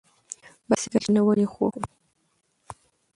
بایسکل چلول یې خوښ و.